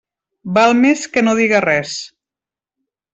Val més que no diga res.